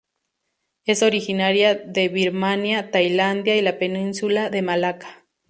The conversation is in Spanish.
Es originaria de Birmania, Tailandia y la Península de Malaca.